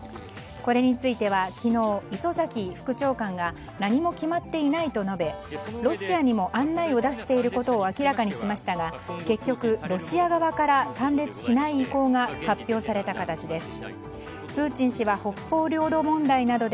これについては昨日、磯崎副長官が何も決まっていないと述べロシアにも案内を出していることを明らかにしましたが結局ロシア側から参列しない意向が発表された形です。